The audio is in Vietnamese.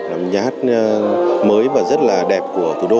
là một nhà hát mới và rất là đẹp của thủ đô